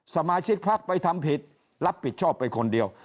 สมาชิกพักไปทำผิดรับผิดชอบไปคนเดียว